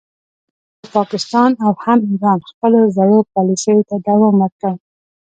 خو پاکستان او هم ایران خپلو زړو پالیسیو ته دوام ورکړ